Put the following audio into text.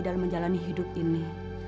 dalam menjalani hidup ini